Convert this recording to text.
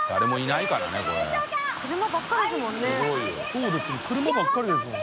そうですね車ばっかりですもん。